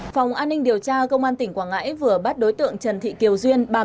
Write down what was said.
phòng an ninh điều tra công an tỉnh quảng ngãi vừa bắt đối tượng trần thị kiều duyên